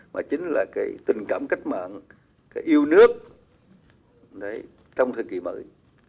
mà chính là tình cảm cách mạng yêu nước trong thời kỳ mới